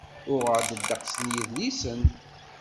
Uɣeɣ-d ddeqs n yidlisen.